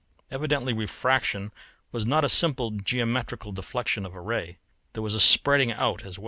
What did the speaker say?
Evidently refraction was not a simple geometrical deflection of a ray, there was a spreading out as well.